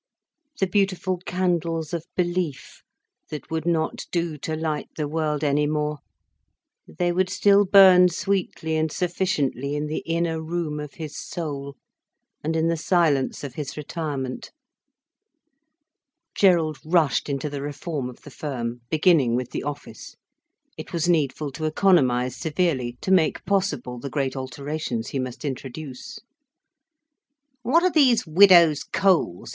The beautiful candles of belief, that would not do to light the world any more, they would still burn sweetly and sufficiently in the inner room of his soul, and in the silence of his retirement. Gerald rushed into the reform of the firm, beginning with the office. It was needful to economise severely, to make possible the great alterations he must introduce. "What are these widows' coals?"